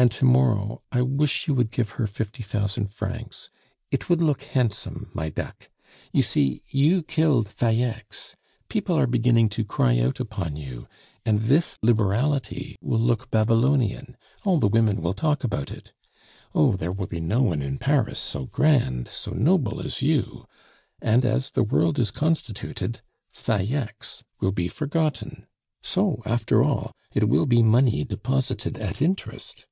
And to morrow I wish you would give her fifty thousand francs it would look handsome, my duck. You see, you killed Falleix; people are beginning to cry out upon you, and this liberality will look Babylonian all the women will talk about it! Oh! there will be no one in Paris so grand, so noble as you; and as the world is constituted, Falleix will be forgotten. So, after all, it will be money deposited at interest."